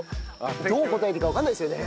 どう答えていいかわかんないですよね。